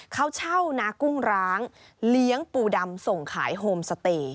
เขาเช่านากุ้งร้างเลี้ยงปูดำส่งขายโฮมสเตย์